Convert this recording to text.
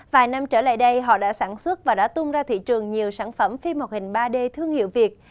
vài năm trở lại đây họ đã sản xuất và đã tung ra thị trường nhiều sản phẩm phim mọc hình ba d thương hiệu việt